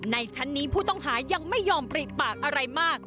ในชั้นนี้ผู้ต้องหายังไม่ยอมปริปากอะไรมาก